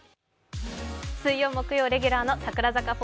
水曜木曜レギュラーの櫻坂